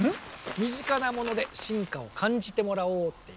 身近なもので進化を感じてもらおうっていう。